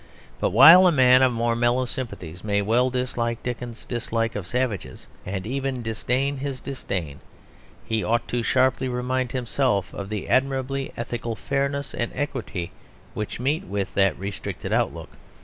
But while a man of more mellow sympathies may well dislike Dickens's dislike of savages, and even disdain his disdain, he ought to sharply remind himself of the admirable ethical fairness and equity which meet with that restricted outlook.